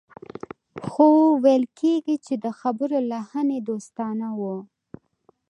خو ويل کېږي چې د خبرو لحن يې دوستانه و.